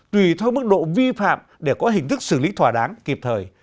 tùy theo mức độ vi phạm để có hình thức xử lý thỏa đáng kịp thời